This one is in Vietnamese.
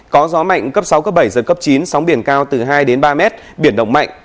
có gió mạnh cấp sáu cấp bảy giật cấp chín sóng biển cao từ hai đến ba mét biển động mạnh